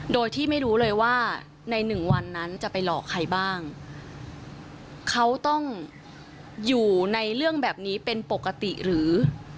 โดยที่ไม่รู้เลยว่าในหนึ่งวันนั้นจะไปหลอกใครบ้างเขาต้องอยู่ในเรื่องแบบนี้เป็นปกติหรือ